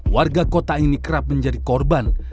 warga kota ini kerap menjadi korban